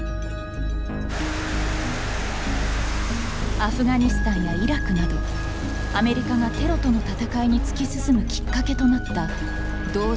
アフガニスタンやイラクなどアメリカがテロとの戦いに突き進むきっかけとなった同時多発テロ事件。